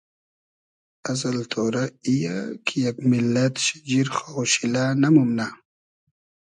اسل تۉرۂ ای یۂ کی یئگ میللئد شیجیر خاوشیلۂ نئمومنۂ